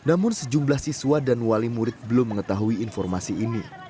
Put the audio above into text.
namun sejumlah siswa dan wali murid belum mengetahui informasi ini